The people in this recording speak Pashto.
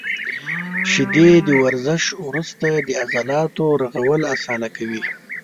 • شیدې د ورزش وروسته د عضلاتو رغول اسانه کوي.